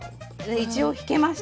一応引けました。